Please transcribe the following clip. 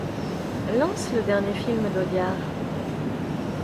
Lance le dernier film d'Audiard.